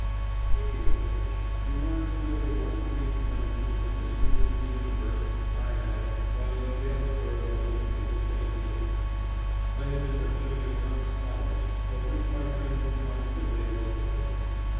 Speaking of which, reminds me of the one brief glimpse into the mysteries of the universe I had while in Galesburg, Ill., the same year. I had been lecturing at Knox College, of which my friend John Finley was the President.